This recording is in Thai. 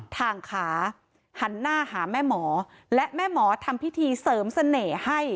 ทางขาหันหน้าหาแม่หมอและแม่หมอทำพิธีเสริมเสน่ห์ให้